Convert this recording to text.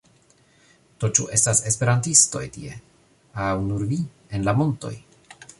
Do, ĉu estas esperantistoj tie? aŭ nur vi? en la montoj?